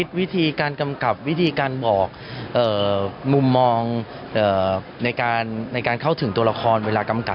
วิธีการกำกับวิธีการบอกมุมมองในการเข้าถึงตัวละครเวลากำกับ